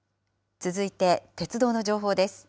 続いて鉄道の情報です。